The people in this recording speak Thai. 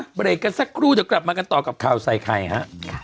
เบรกกันสักครู่เดี๋ยวกลับมากันต่อกับข่าวใส่ไข่ฮะ